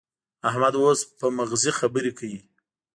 احمد اوس په مغزي خبرې کوي.